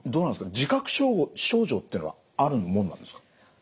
自覚症状っていうのはあるもんなんですか？